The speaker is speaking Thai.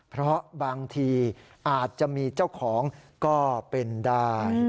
เพราะบางทีอาจจะมีเจ้าของก็เป็นได้